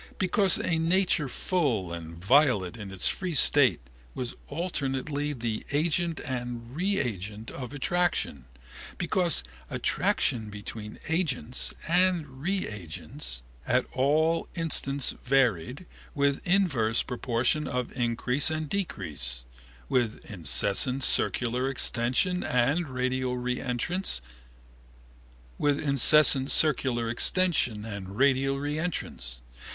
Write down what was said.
Because a nature full and volatile in its free state, was alternately the agent and reagent of attraction. Because attraction between agent(s) and reagent(s) at all instants varied, with inverse proportion of increase and decrease, with incessant circular extension and radial reentrance.